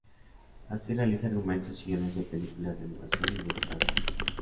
Así, realiza argumentos y guiones de películas de animación y de series para televisión.